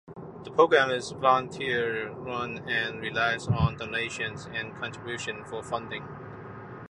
The program is volunteer-run and relies on donations and contributions for funding.